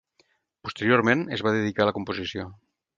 Posteriorment es va dedicar a la composició.